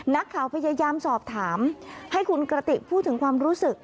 นักข่าวพยายามสอบถามให้คุณกระติกพูดถึงความรู้สึก